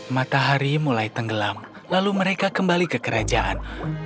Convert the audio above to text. matahari mulai tenggelam lalu mereka kembali ke kerajaan